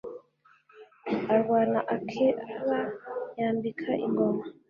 arwana akeba yambika ingoma.